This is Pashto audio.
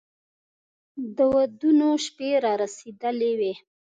د ودونو شپې را رسېدلې وې.